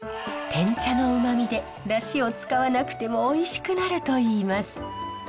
てん茶のうまみでダシを使わなくてもおいしくなるといいます。